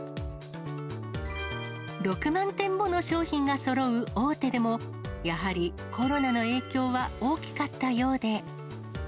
６万点もの商品がそろう大手でも、やはり、コロナの影響は大きかったようで。